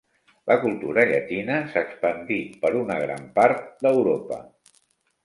La cultura llatina s'expandí per una gran part d'Europa.